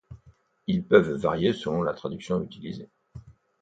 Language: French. Ils peuvent varier selon la traduction utilisée.